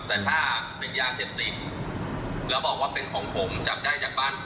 แต่ถ้าเป็นยาเสพติดแล้วบอกว่าเป็นของผมจับได้จากบ้านผม